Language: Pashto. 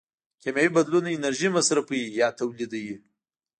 کیمیاوي بدلون انرژي مصرفوي یا تولیدوي.